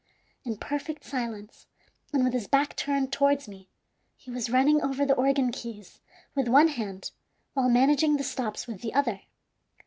In perfect silence, and with his back turned towards me, he was running over the organ keys with one hand while managing the stops with the other.